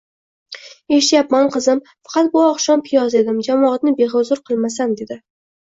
Eshityapman, qizim. Faqat bu oqshom piyoz yedim, jamoatni bexuzur qilmasam dedi.